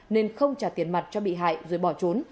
nên không trả tiền mặt cho bị hại rồi bỏ trốn